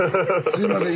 すいません。